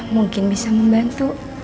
mungkin bisa membantu